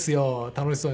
楽しそう。